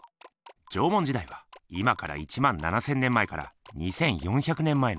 縄文時代は今から１万７，０００年前から２，４００年前の。